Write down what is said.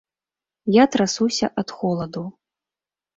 Я трасуся ад холаду.